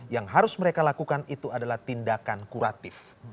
yang harus mereka lakukan itu adalah tindakan kuratif